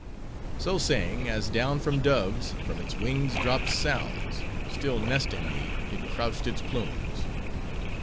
"So saying, as down from doves, from its wings dropped sounds. Still nesting me, it crouched its plumes.